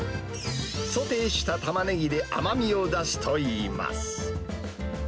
ソテーしたタマネギで甘みを出すといいます。